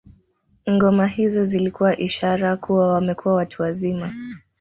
Ngoma hizo zilikuwa ishara kuwa wamekuwa watu wazima